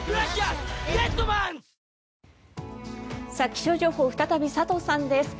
気象情報再び佐藤さんです。